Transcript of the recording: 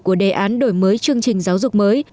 của đề án đổi mới chương trình giáo dục mới